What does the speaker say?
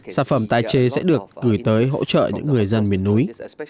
sản phẩm tái chế sẽ được gửi tới hỗ trợ những người dân miền núi